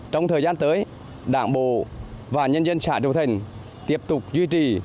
trong thời gian tới đảng bộ và nhân dân xã đô thành tiếp tục duy trì